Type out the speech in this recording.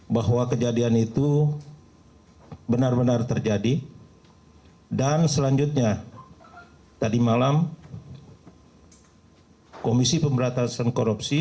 bahwa kejadian itu benar benar terjadi dan selanjutnya tadi malam komisi pemberantasan korupsi